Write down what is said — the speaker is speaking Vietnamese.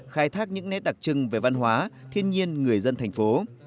khai thác những nét đặc trưng về văn hóa thiên nhiên người dân thành phố